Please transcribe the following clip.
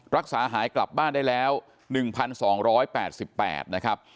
รักษาหายกลับบ้านได้แล้ว๑๒๘๘นะครับ